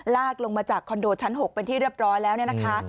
ลากลงมาจากคอนโดชั้นหกเป็นที่เรียบร้อยแล้วเนี่ยนะคะเออขออภัยนี่